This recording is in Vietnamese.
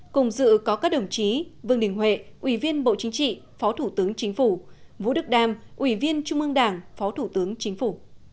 cùng dự có các đồng chí vương đình huệ ủy viên bộ chính trị phó thủ tướng chính phủ vũ đức đam ủy viên trung ương đảng phó thủ tướng chính phủ